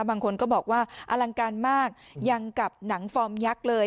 บางคนก็บอกว่าอลังการมากยังกับหนังฟอร์มยักษ์เลย